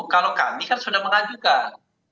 kalau kami kan sudah mengajukan